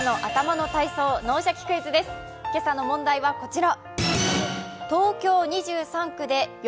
今朝の問題はこちら。